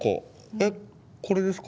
えっこれですか？